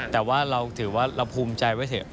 แต่ว่าถือว่าเราพูมใจไว้เสร็จ